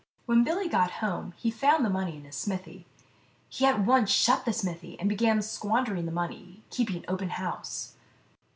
55 When Billy got home he found the money in his smithy. He at once shut the smithy, and began squandering the money, keeping open house.